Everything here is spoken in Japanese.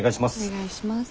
お願いします。